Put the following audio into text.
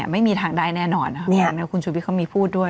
ไม่มีทางได้แน่นอนเห็นไหมคุณชุวิตเขามีพูดด้วย